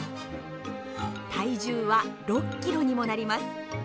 体重は６ｋｇにもなります。